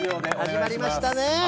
始まりましたね。